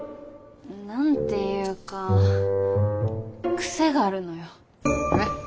何て言うか癖があるのよ。